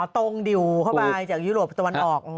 ตรงดิวเข้าไปจากยุโรปตะวันออก